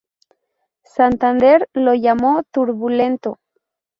Santander lo llamó "turbulento".